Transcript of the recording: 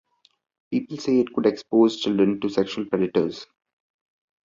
People say it could expose children to sexual predators.